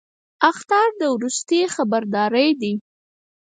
اخطار د وروستي خبرداری دی